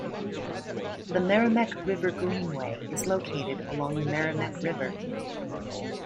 The Meramec River Greenway is located along the Meramec River.